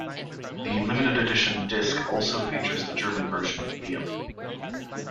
The limited-edition disc also features the German version of "Liam".